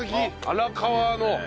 荒川の？